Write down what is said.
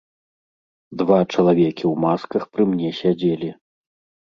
Два чалавекі ў масках пры мне сядзелі.